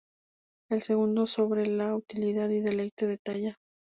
El segundo, sobre la "Utilidad y deleite della".